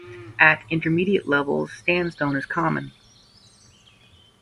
At intermediate levels sandstone is common.